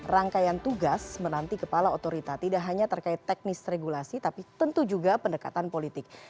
rangkaian tugas menanti kepala otorita tidak hanya terkait teknis regulasi tapi tentu juga pendekatan politik